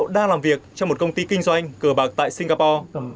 đang làm việc trong một công ty kinh doanh cờ bạc tại singapore